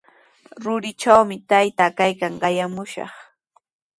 Ruritrawmi taytaa kaykan, qayaskamushaq.